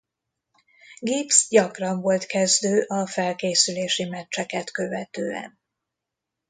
Gibbs gyakran volt kezdő a felkészülési meccseket követően.